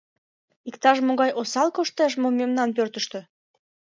— Иктаж-могай осал коштеш мо мемнан пӧртыштӧ?